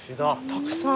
たくさん。